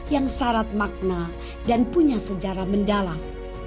yang syarat makna dan punya sejarah mendalam